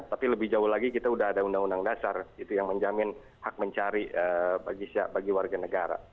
tapi lebih jauh lagi kita sudah ada undang undang dasar yang menjamin hak mencari bagi warga negara